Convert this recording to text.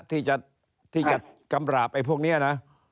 ที่จะกำราบไอ้พวกนี้นะ